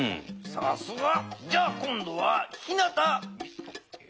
さすが。じゃあ今どはひなた。